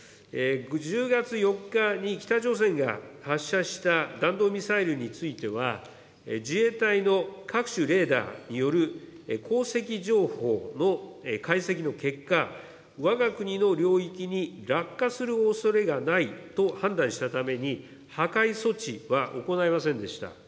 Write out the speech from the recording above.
１０月４日に北朝鮮が発射した弾道ミサイルについては、自衛隊の各種レーダーによる航跡情報の解析の結果、わが国の領域に落下するおそれがないと判断したために、破壊措置は行いませんでした。